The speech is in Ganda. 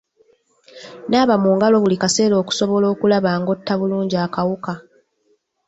Naaba mu ngalo buli kaseera okusobola okulaba ng'otta bulungi akawuka.